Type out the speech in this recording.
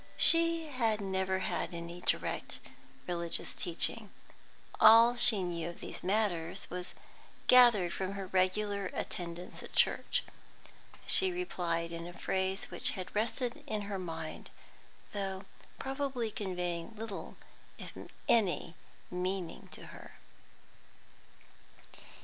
She had never had any direct religious teaching; all she knew of these matters was gathered from her regular attendance at church. She replied in a phrase which had rested in her mind, though probably conveying little if any meaning to her.